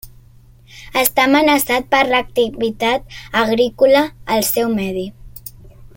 Està amenaçat per l'activitat agrícola al seu medi.